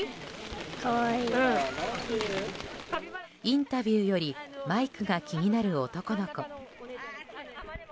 インタビューよりマイクが気になる男の子。